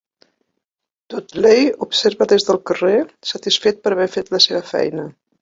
Dudley observa des del carrer, satisfet per haver fet la seva feina.